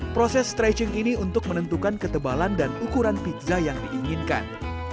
proses stretching ini untuk menentukan ketebalan dan ukuran pizza yang diinginkan